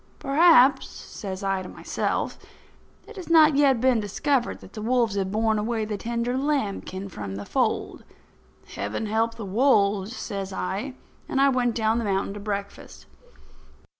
"Perhaps," says I to myself, "it has not yet been discovered that the wolves have borne away the tender lambkin from the fold. Heaven help the wolves!" says I, and I went down the mountain to breakfast.